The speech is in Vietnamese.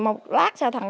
một lát sao thôi